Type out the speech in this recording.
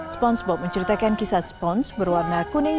spongebob menceritakan kisah sponge berwarna kuning